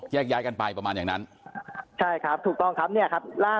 แยกย้ายกันไปประมาณอย่างนั้นใช่ครับถูกต้องครับเนี่ยครับล่าสุด